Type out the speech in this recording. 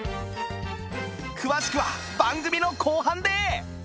詳しくは番組の後半で